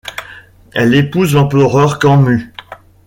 Elle épouse l'empereur Kanmu.